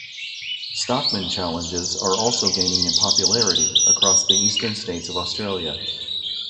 Stockman challenges are also gaining in popularity across the eastern states of Australia.